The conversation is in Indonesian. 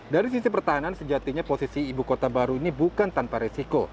dari sisi pertahanan sejatinya posisi ibu kota baru ini bukan tanpa resiko